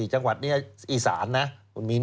จังหวัดนี้อีสานนะคุณมิ้น